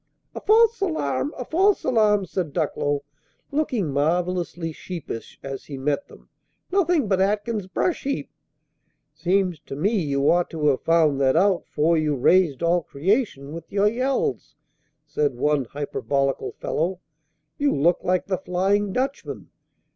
"A false alarm! a false alarm!" said Ducklow, looking marvelously sheepish, as he met them. "Nothing but Atkins's brush heap!" "Seems to me you ought to have found that out 'fore you raised all creation with your yells!" said one hyperbolical fellow. "You looked like the Flying Dutchman!